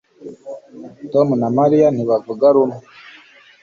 tom na mariya ntibavuga rumwe